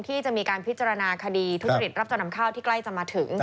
ที่จะมีการพิจารณาคดีทุจริตรับจำนำข้าวที่ใกล้จะมาถึง